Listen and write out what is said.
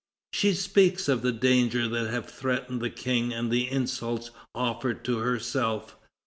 She speaks of the dangers that have threatened the King and the insults offered to herself.